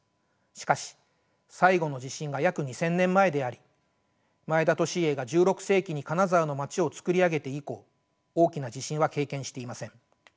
しかし最後の地震が約２，０００年前であり前田利家が１６世紀に金沢の街をつくり上げて以降大きな地震は経験していません。